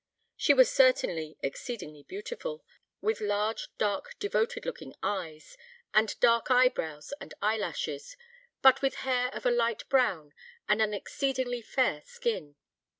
She was certainly exceedingly beautiful, with large dark devoted looking eyes, and dark eyebrows and eyelashes, but with hair of a light brown, and an exceedingly fair skin.